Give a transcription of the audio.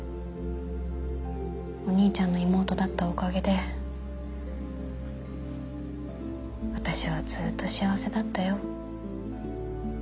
お兄ちゃんの妹だったおかげで私はずっと幸せだったよ。